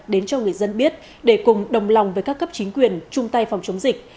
đến cho người dân biết để cùng đồng lòng với các cấp chính quyền chung tay phòng chống dịch